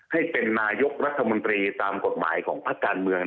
ให้เป็นนายกรัฐมนตรีตามกฎหมายของภาคการเมือง